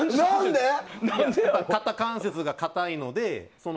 肩関節が硬いので。